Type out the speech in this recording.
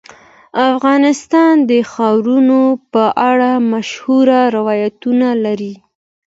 افغانستان د ښارونو په اړه مشهور روایتونه لري.